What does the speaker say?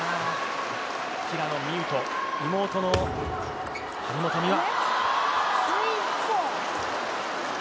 平野美宇と妹の張本美和。